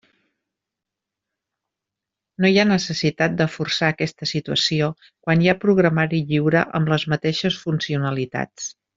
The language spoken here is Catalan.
No hi ha necessitat de forçar aquesta situació quan hi ha programari lliure amb les mateixes funcionalitats.